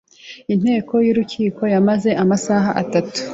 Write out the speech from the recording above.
Inteko yurukiko yamaze amasaha atatu.